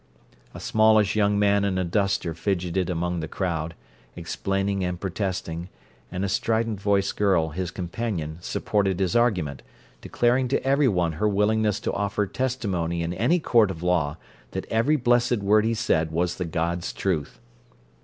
A smallish young man in a duster fidgeted among the crowd, explaining and protesting, and a strident voiced girl, his companion, supported his argument, declaring to everyone her willingness to offer testimony in any court of law that every blessed word he said was the God's truth.